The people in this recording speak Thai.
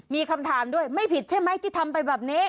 มีคำถามด้วยไม่ผิดใช่ไหมที่ทำไปแบบนี้